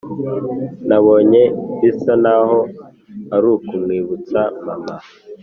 nabonye bisa naho arukumwibutsa mama